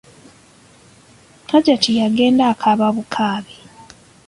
Hajati yagenda akaaba bukaabi!